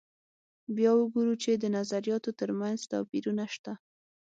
بیا وګورو چې د نظریاتو تر منځ توپیرونه شته.